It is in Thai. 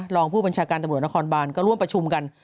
รองผู้บัญชาการตำรวจนครบานก็ร่วมประชุมกัน